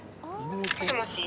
もしもし。